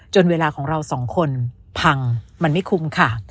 เวลาของเราสองคนพังมันไม่คุ้มค่ะ